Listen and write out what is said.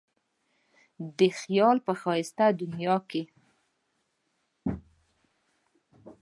د خیال په ښایسته دنیا کې.